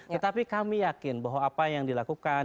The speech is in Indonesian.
tetapi kami yakin bahwa apa yang dilakukan